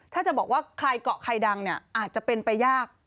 ถ้าจะบอกว่าใครเกาะใครดังเนี่ยอาจจะเป็นไปยาก